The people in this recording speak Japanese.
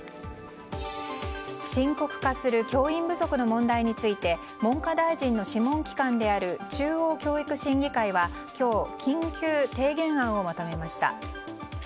深刻化する教員不足の問題について文科大臣の諮問機関である中央教育審議会は今日、緊急提言案をまとめました。